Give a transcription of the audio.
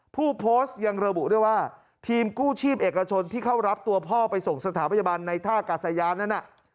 ผู้โพสต์ยังระบุด้วยว่าทีมกู้ชีพเอกชนที่เข้ารับตัวพ่อไปส่งสถาพยาบาลในท่ากาศยานนั้นน่ะ